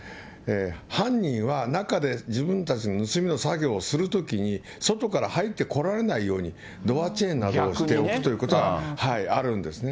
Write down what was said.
犯人は中で自分たちの盗みの作業をするときに外から入ってこられないように、ドアチェーンなどをしておくということがあるですね。